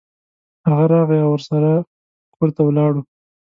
هغه راغی او ورسره کور ته ولاړو.